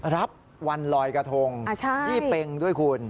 รับวันลอยกระทงยี่เป็งด้วยคุณ